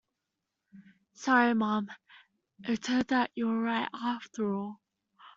Sorry mum, it turns out you were right after all.